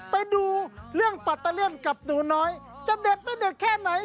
ไปดูเรื่องปัตเตอร์เลี่ยนกับหนูน้อยจะเด็ดไม่เด็ดแค่ไหน